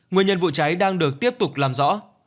nguyên nhân vụ cháy đang được tiếp tục làm rõ